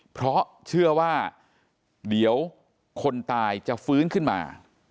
เพราะเชื่อว่าเดี๋ยวคนตายจะฟื้นขึ้นมา